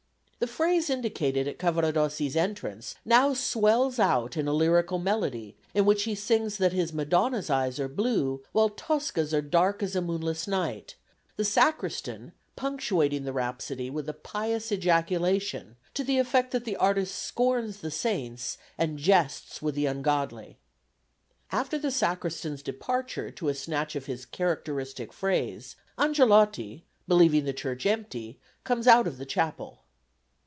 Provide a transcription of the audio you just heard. The phrase indicated at Cavaradossi's entrance now swells out in a lyrical melody in which he sings that his Madonna's eyes are blue, while Tosca's are dark as a moonless night, the Sacristan punctuating the rhapsody with a pious ejaculation to the effect that the artist scorns the saints and jests with the ungodly. After the Sacristan's departure to a snatch of his characteristic phrase, Angelotti, believing the church empty, comes out of the chapel.